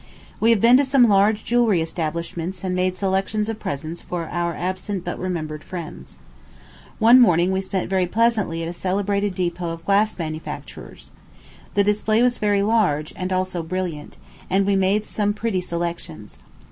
We have been to some large jewelry establishments and made selections of presents for our absent but remembered friends. One morning we spent very pleasantly at a celebrated depot of glass manufactures. The display was very large, and also brilliant, and we made some pretty selections.